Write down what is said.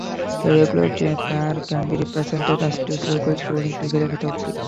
A regular gear pair can be represented as two circles rolling together without slip.